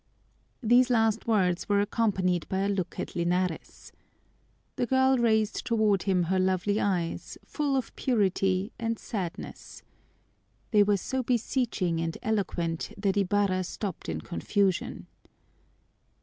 These last words were accompanied by a look at Linares. The girl raised toward him her lovely eyes, full of purity and sadness. They were so beseeching and eloquent that Ibarra stopped in confusion.